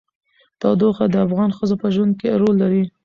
تودوخه د افغان ښځو په ژوند کې رول لري.